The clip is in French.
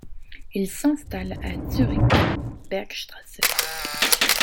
Ils s'installent à Zurich, Bergstrasse.